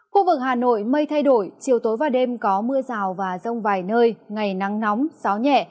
khu vực hà nội mây thay đổi chiều tối và đêm có mưa rào và rông vài nơi ngày nắng nóng gió nhẹ